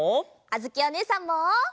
あづきおねえさんも！